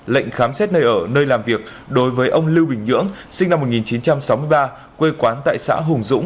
lệnh khám xét nơi ở nơi làm việc đối với ông lưu bình nhưỡng sinh năm một nghìn chín trăm sáu mươi ba quê quán tại xã hùng dũng